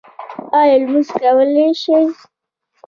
ایا لمونځ کولی شئ؟